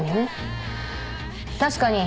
確かにね。